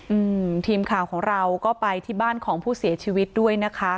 อืมทีมข่าวของเราก็ไปที่บ้านของผู้เสียชีวิตด้วยนะคะ